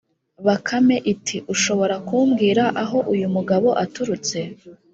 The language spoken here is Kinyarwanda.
bakame iti: ushobora kumbwira aho uyu mugabo aturutse